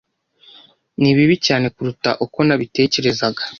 Ni bibi cyane kuruta uko nabitekerezaga.